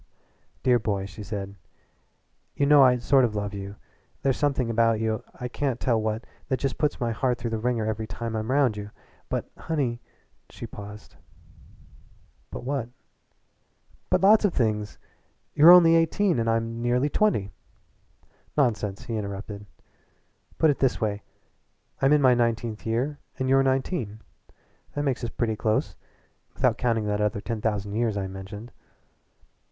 "Dear boy," she said, "you know I sort of love you. There's something about you I can't tell what that just puts my heart through the wringer every time I'm round you. But honey " She paused. "But what?" "But lots of things. But you're only just eighteen, and I'm nearly twenty." "Nonsense!" he interrupted. "Put it this way that I'm in my nineteenth year and you're nineteen. That makes us pretty close without counting that other ten thousand years I mentioned."